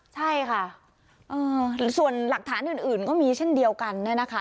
ใช่ค่ะเอ่อส่วนหลักฐานอื่นอื่นก็มีเช่นเดียวกันนะคะ